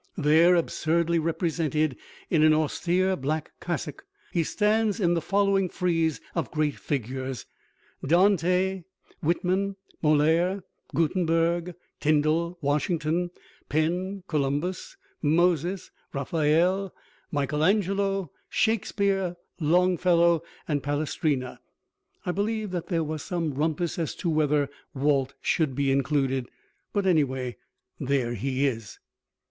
There, absurdly represented in an austere black cassock, he stands in the following frieze of great figures: Dante, Whitman, Molière, Gutenberg, Tyndale, Washington, Penn, Columbus, Moses, Raphael, Michael Angelo, Shakespeare, Longfellow and Palestrina. I believe that there was some rumpus as to whether Walt should be included; but, anyway, there he is.